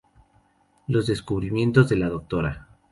Los descubrimientos de la Dra.